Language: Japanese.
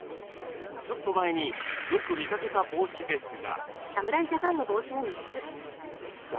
ちょっと前によく見かけた帽子ですが。